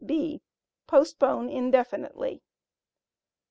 (b) Postpone indefinitely.